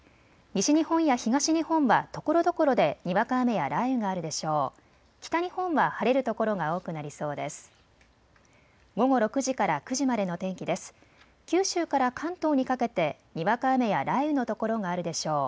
西日本や東日本はところどころでにわか雨や雷雨があるでしょう。